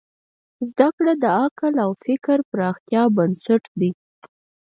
زدهکړه د عقل او فکر پراختیا بنسټ دی.